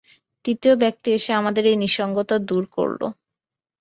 তৃতীয় ব্যক্তি এসে আমাদের এই নিঃসঙ্গতা দূর করল।